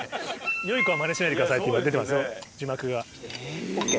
よい子はマネしないでくださいって今出てますよ字幕が。ＯＫ。